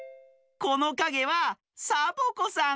このかげはサボ子さん。